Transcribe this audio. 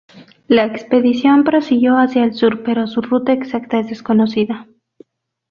La expedición prosiguió hacia el sur pero su ruta exacta es desconocida.